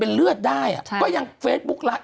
คุณหนุ่มกัญชัยได้เล่าใหญ่ใจความไปสักส่วนใหญ่แล้ว